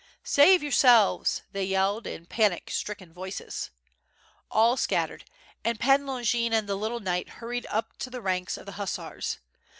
"Save yourselves!" they yelled, in panic stricken voices. All scattered, and Pan Longin and the little knight hurried up to the ranks of the hussars.